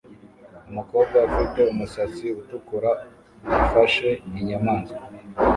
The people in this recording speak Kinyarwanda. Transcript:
Umukobwa ufite umusatsi utukura ufashe inyamaswa